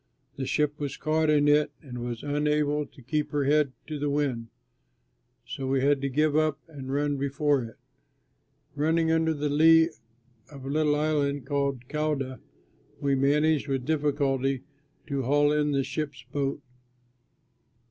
The ship was caught in it and was unable to keep her head to the wind. So we had to give up and run before it. Running under the lee of a little island called Cauda, we managed with difficulty to haul in the ship's boat.